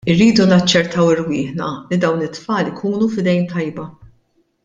Irridu naċċertaw irwieħna li dawn it-tfal ikunu f'idejn tajba.